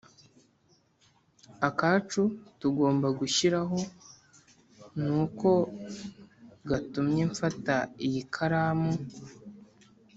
akacu tugomba gushyiraho, ni ko gatumye mfata iyi karamu